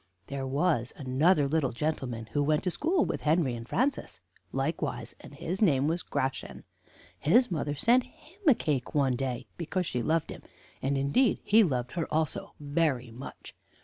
"There was another little gentleman who went to school with Henry and Francis likewise, and his name was Gratian. His mother sent him a cake one day, because she loved him, and, indeed, he loved her also very much.